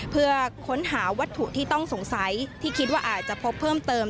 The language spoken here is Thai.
เพื่อค้นหาวัตถุที่ต้องสงสัยที่คิดว่าอาจจะพบเพิ่มเติม